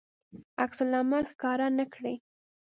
عکس العمل ښکاره نه کړي.